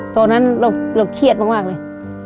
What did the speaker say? ตอนนั้นเราเครียดมากเลย